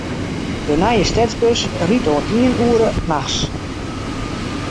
De nije stedsbus rydt oant iene oere nachts.